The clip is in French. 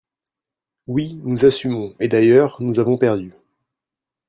Oui, nous assumons – et d’ailleurs nous avons perdu